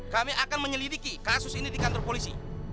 kami akan menyelidiki kasus ini di kantor polisi